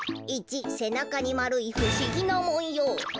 １せなかにまるいふしぎなもんよう。